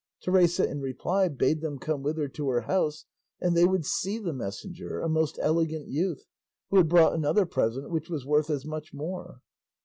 Teresa in reply bade them come with her to her house and they would see the messenger, a most elegant youth, who had brought another present which was worth as much more.